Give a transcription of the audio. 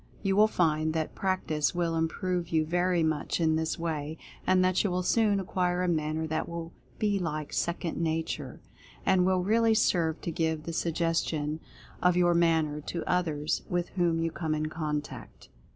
You will find that practice will improve you very much in this way, and that you will soon acquire a manner that will be like second nature, and will really serve to give the Suggestion of your Direct Persona! Influence 211 Manner to others with whom you come in contact.